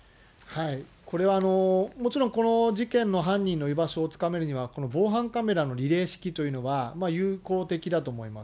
これはもちろん、この事件の犯人の居場所をつかめるには、防犯カメラのリレー式というのは有効的だと思います。